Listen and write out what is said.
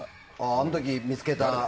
あの時、見つけた。